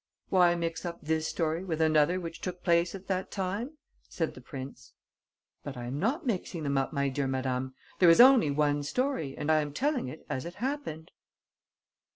"Why mix up this story with another which took place at that time?" said the prince. "But I am not mixing them up, my dear madame; there is only one story and I am telling it as it happened."